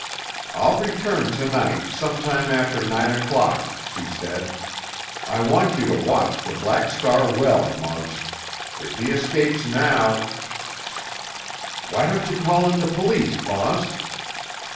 "I'll return to night, some time after nine o'clock," he said. "I want you to watch the Black Star well, Muggs. If he escapes now——" "Why don't you call in the police, boss?"